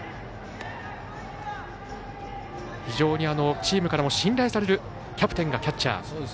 非常にチームからも信頼されるキャプテンがキャッチャー。